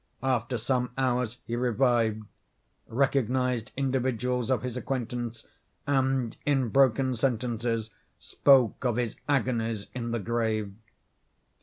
After some hours he revived, recognized individuals of his acquaintance, and, in broken sentences spoke of his agonies in the grave.